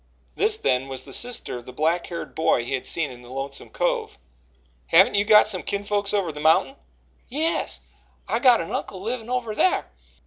This, then, was the sister of the black haired boy he had seen in the Lonesome Cove. "Haven't you got some kinfolks over the mountain?" "Yes, I got an uncle livin' over thar.